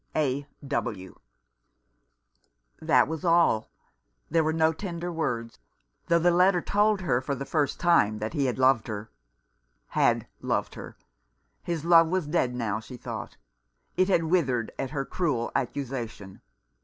"A. W " That was all. There were no tender words ; though the letter told her for the first time that he had loved her. Had loved her ! His love was dead now, she thought. It had withered at her cruel accusation.